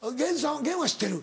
玄は知ってる？